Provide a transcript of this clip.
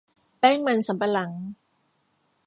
แป้งมันสำปะหลัง